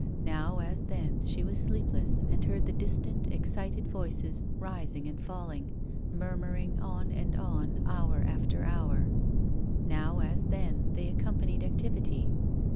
Now, as then, she was sleepless, and heard the distant, excited voices rising and falling, murmuring on and on hour after hour. Now, as then, they accompanied activity.